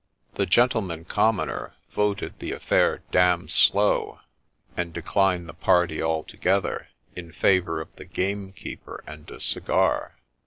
The gentleman commoner ' voted the affair d — d slow,' and declined the party altogether in favour of the gamekeeper and a cigar.